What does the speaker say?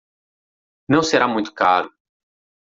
Não será muito caro.